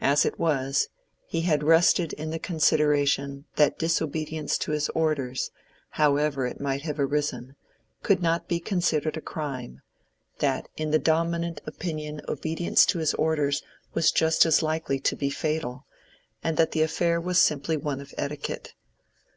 As it was, he had rested in the consideration that disobedience to his orders, however it might have arisen, could not be considered a crime, that in the dominant opinion obedience to his orders was just as likely to be fatal, and that the affair was simply one of etiquette.